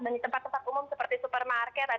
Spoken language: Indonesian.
dan di tempat tempat umum seperti supermarket